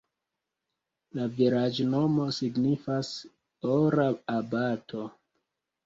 La vilaĝnomo signifas: ora-abato.